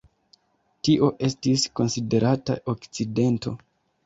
Tio estis konsiderata akcidento.